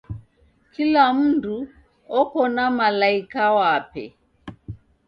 Kila mndu oko na malaika wape.